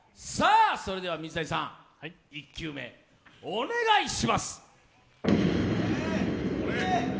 それでは、水谷さん、１球目、お願いします。